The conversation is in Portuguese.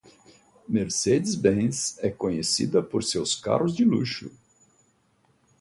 Mercedes-Benz é conhecida por seus carros de luxo.